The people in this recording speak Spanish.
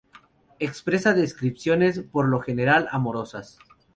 Expresa descripciones, por lo general amorosas.